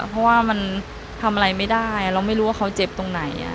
เพราะว่ามันทำอะไรไม่ได้เราไม่รู้ว่าเขาเจ็บตรงไหน